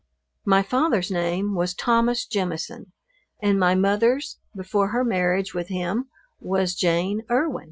My Father's name was Thomas Jemison, and my mother's before her marriage with him, was Jane Erwin.